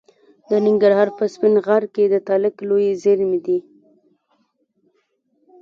د ننګرهار په سپین غر کې د تالک لویې زیرمې دي.